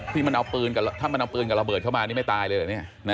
ถ้ามันเอาปืนกับระเบิดเข้ามานี่ไม่ตายเลย